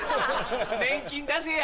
年金出せや。